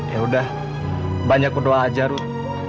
ya udah banyak kudoa aja arud